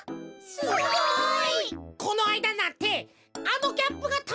すごい！